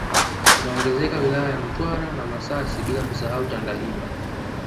Inaongezeka wilaya ya Mtwara na Masasi bila kusahau Tandahimba